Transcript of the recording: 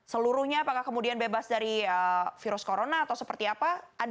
seluruhnya apakah kemudian bebas dari virus corona atau seperti apa